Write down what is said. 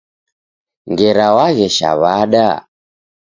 Ngera waghesha wada?